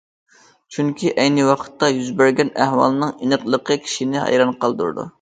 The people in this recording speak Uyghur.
چۈنكى ئەينى ۋاقىتتا يۈز بەرگەن ئەھۋالنىڭ ئېنىقلىقى كىشىنى ھەيران قالدۇرىدۇ.